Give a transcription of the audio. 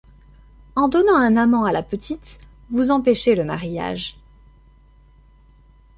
En donnant un amant à la petite, vous empêchez le mariage...